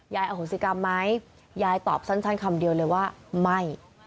อโหสิกรรมไหมยายตอบสั้นคำเดียวเลยว่าไม่